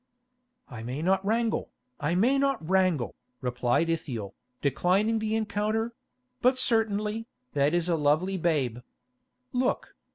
"I may not wrangle, I may not wrangle," replied Ithiel, declining the encounter; "but certainly, that is a lovely babe. Look.